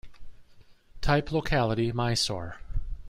Type locality: Mysore.